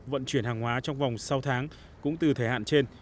vận chuyển hàng hóa trong vòng sáu tháng cũng từ thời hạn trên